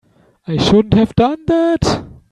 I shouldn't have done that.